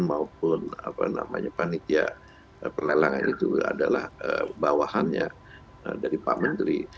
maupun panitia pelelangan itu adalah bawahannya dari pak menteri